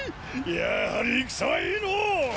やはり戦はいいのォ！